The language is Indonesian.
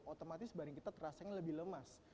otomatis badan kita terasa lebih lemas